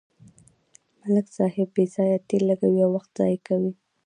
ملک صاحب بې ځایه تېل لګوي او وخت ضایع کوي.